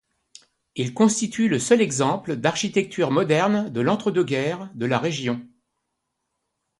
Il constitue le seul exemple d'architecture moderne de l'entre-deux-guerres de la région.